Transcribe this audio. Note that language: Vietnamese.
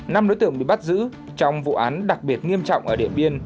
năm đối tượng bị bắt giữ trong vụ án đặc biệt nghiêm trọng ở điện biên